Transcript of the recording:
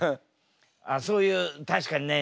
あっそういう確かにね